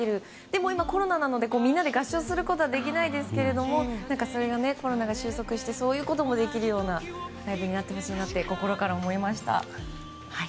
でも、今コロナなのでみんなで合唱できないですけどコロナが収束してそういうこともできるようなライブになってほしいなって心から思いました。